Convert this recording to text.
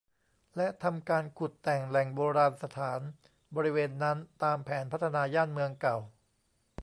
และทำการขุดแต่งแหล่งโบราณสถานบริเวณนั้นตามแผนพัฒนาย่านเมืองเก่า